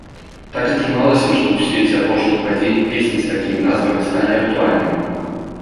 Так атрымалася, што ў свеце апошніх падзей песні з такімі назвамі сталі актуальнымі.